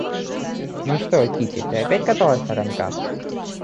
Ну что, Кити, ты опять каталась на коньках?..